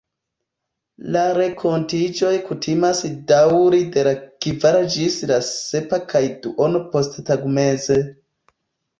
La renkontiĝoj kutimas daŭri de la kvara ĝis la sepa kaj duono posttagmeze.